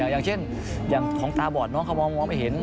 อย่างเช่นอย่างของตาบอดน้องเขามองไม่เห็น